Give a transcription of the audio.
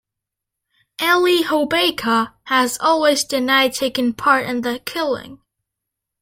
Elie Hobeika has always denied taking part in the killing.